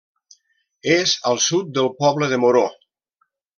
És al sud del poble de Moror.